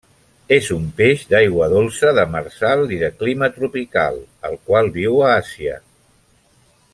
És un peix d'aigua dolça, demersal i de clima tropical, el qual viu a Àsia.